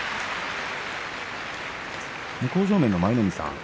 向正面の舞の海さん